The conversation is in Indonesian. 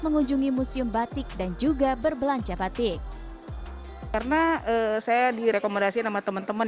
mengundungi musium batik dan juga berbelanja batik karena saya direkomendasi nama teman teman